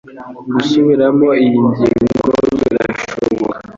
Gusubiramo iyi ngingo birashoboka?